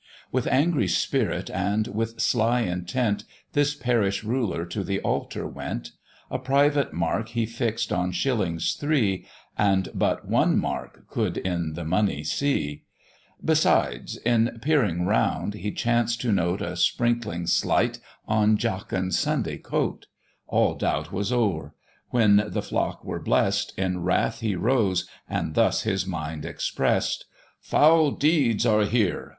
With angry spirit and with sly intent, This parish ruler to the altar went: A private mark he fix'd on shillings three, And but one mark could in the money see: Besides in peering round, he chanced to note A sprinkling slight on Jachin's Sunday coat: All doubt was over: when the flock were bless'd, In wrath he rose, and thus his mind express'd: "Foul deeds are here!"